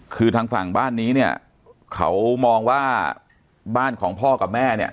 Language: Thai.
คือทางฝั่งบ้านนี้เนี่ยเขามองว่าบ้านของพ่อกับแม่เนี่ย